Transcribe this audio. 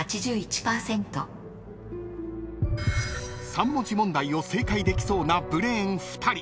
［３文字問題を正解できそうなブレーン２人］